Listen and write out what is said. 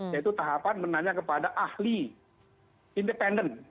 yaitu tahapan menanya kepada ahli independen